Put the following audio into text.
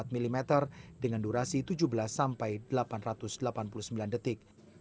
empat mm dengan durasi tujuh belas sampai delapan ratus delapan puluh sembilan detik